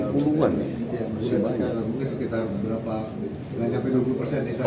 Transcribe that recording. mungkin sekitar berapa nggak sampai dua puluh persen sih